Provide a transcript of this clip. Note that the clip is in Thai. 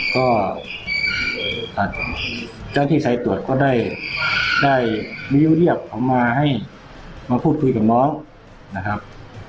ก็เจ้าที่สายตรวจก็ได้นิ้วเรียกเขามาให้มาพูดคุยกับน้องนะครับ